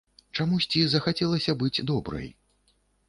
Чамусьці захацелася быць добрай.